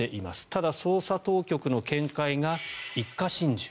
ただ、捜査当局の見解が一家心中。